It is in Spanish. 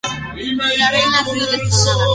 La Reina ha sido destronada.